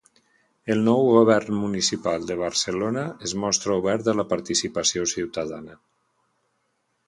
El nou govern municipal de Barcelona es mostra obert a la participació ciutadana.